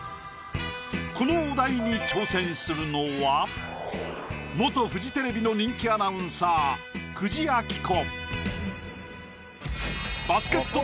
このお題に挑戦するのは元フジテレビの人気アナウンサー久慈暁子。